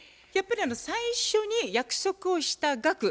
やっぱり最初に約束をした額